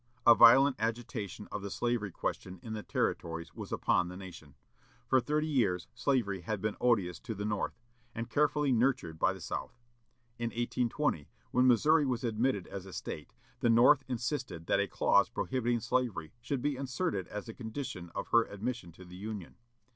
A violent agitation of the slavery question in the Territories was upon the nation. For thirty years slavery had been odious to the North, and carefully nurtured by the South. In 1820, when Missouri was admitted as a State, the North insisted that a clause prohibiting slavery should be inserted as a condition of her admission to the Union.